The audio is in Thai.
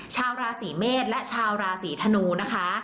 ชาวราศีเมษและชาวราศีธนูนะคะ